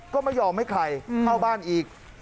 ก็ไม่ยอมให้ใครเข้าบ้านอีก